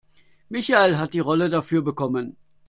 Michael hat die Rolle dafür bekommen.